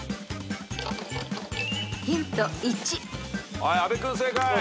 はい阿部君正解。